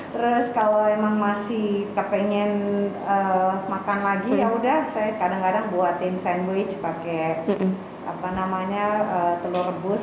terus kalau emang masih kepengen makan lagi ya udah saya kadang kadang buatin sandwich pakai telur rebus